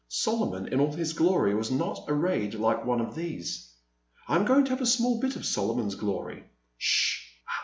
Solo mon in all his glory was not arrayed like one of these. I *m going to have a small bit of Solo mon's glory— sh — h ! ah